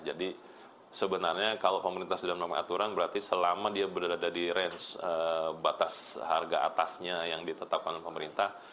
jadi sebenarnya kalau pemerintah sudah menambah aturan berarti selama dia berada di range batas harga atasnya yang ditetapkan pemerintah